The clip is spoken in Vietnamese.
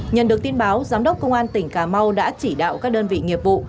nhận được tin báo giám đốc công an tỉnh cà mau đã chỉ đạo các đơn vị nghiệp vụ